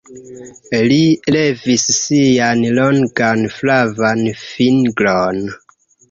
Li levis sian longan flavan fingron.